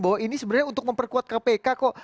bahwa ini sebenarnya untuk memperkuat kpk kok